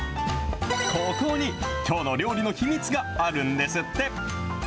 ここにきょうの料理の秘密があるんですって。